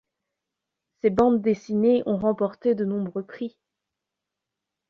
Ses bandes dessinées ont remporté de nombreux prix.